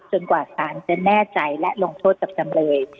กว่าสารจะแน่ใจและลงโทษกับจำเลย